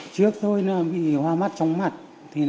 trước tôi bị hoa mắt trong mặt